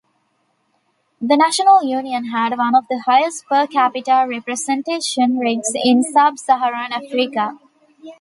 The National Union had one of the highest-per-capita representation rates in sub-saharan Africa.